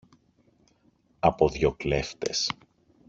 από δυο κλέφτες.